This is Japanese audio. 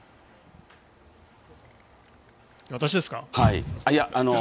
あ、私ですか？